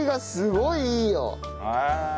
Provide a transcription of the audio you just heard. へえ。